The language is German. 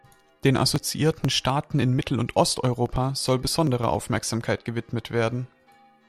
Den assoziierten Staaten in Mittel- und Osteuropa soll besondere Aufmerksamkeit gewidmet werden.